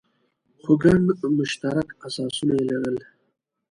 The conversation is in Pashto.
خو ګڼ مشترک اساسونه یې لرل.